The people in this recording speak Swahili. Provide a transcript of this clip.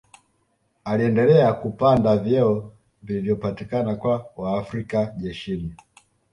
Aliendela kupanda vyeo vilivyopatikana kwa Waafrika jeshini